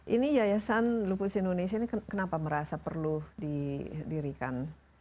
ini yayasan lupus indonesia ini kenapa merasa perlu didirikan